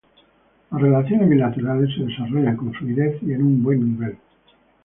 Las relaciones bilaterales se desarrollan con fluidez y en un buen nivel.